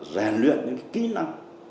rèn luyện những kỹ năng